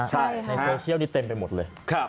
ใช่ในโซเชียลนี้เต็มไปหมดเลย